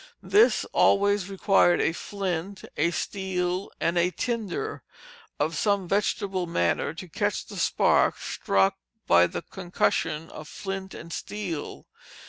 This always required a flint, a steel, and a tinder of some vegetable matter to catch the spark struck by the concussion of flint and steel.